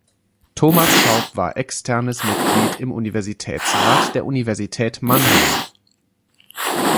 Thomas Schaub war externes Mitglied im Universitätsrat der Universität Mannheim.